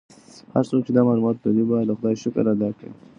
هر څوک چې دا معلومات لولي باید د خدای شکر ادا کړي.